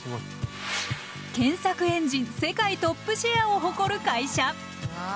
検索エンジン世界トップシェアを誇る会社。